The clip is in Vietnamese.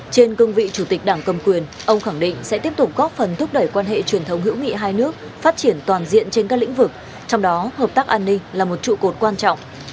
trên cương vị chủ tịch đảng cầm quyền ông khẳng định sẽ tiếp tục góp phần thúc đẩy quan hệ truyền thống hữu nghị hai nước phát triển toàn diện trên các lĩnh vực trong đó hợp tác an ninh là một trụ cột quan trọng